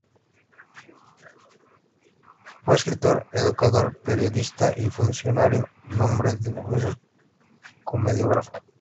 Fue escritor, educador, periodista y funcionario, hombre de negocios y comediógrafo.